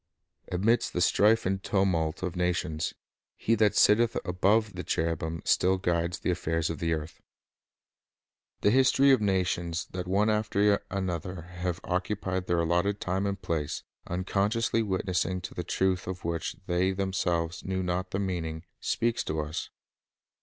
Amidst the strife and tumult of nations, He' that sitteth above the cherubim still guides the affairs of the earth. The history of nations that one after another have occupied their allotted time and place, unconsciously witnessing to the truth of which they themselves knew not the meaning, speaks to us.